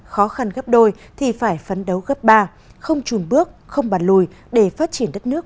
khó khăn gấp đôi thì phải phấn đấu gấp ba không trùn bước không bàn lùi để phát triển đất nước